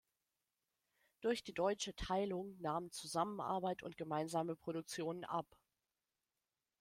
Durch die deutsche Teilung nahmen Zusammenarbeit und gemeinsame Produktionen ab.